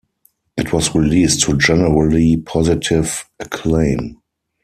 It was released to generally positive acclaim.